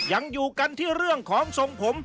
ยังอยู่กันที่เรื่องของทรงผม